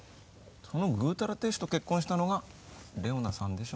そのぐうたら亭主と結婚したのがレオナさんでしょ？